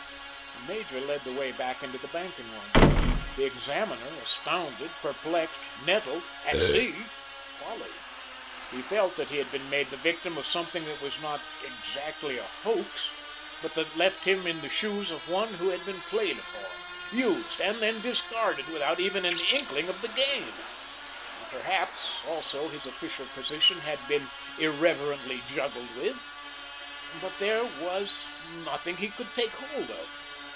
The major led the way back into the banking room. The examiner, astounded, perplexed, nettled, at sea, followed. He felt that he had been made the victim of something that was not exactly a hoax, but that left him in the shoes of one who had been played upon, used, and then discarded, without even an inkling of the game. Perhaps, also, his official position had been irreverently juggled with. But there was nothing he could take hold of.